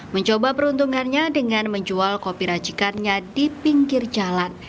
mencoba peruntungannya dengan menjual kopi racikannya di pinggir jalan